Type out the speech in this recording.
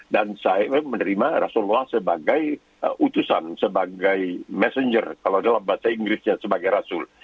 dan saya menerima rasulullah sebagai utusan sebagai messenger kalau dalam bahasa inggrisnya sebagai rasul